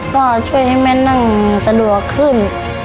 เพราะว่าช่วยให้แม่นั่งสะดวกขึ้น